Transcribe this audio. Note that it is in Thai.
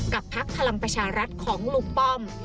พักพลังประชารัฐของลุงป้อม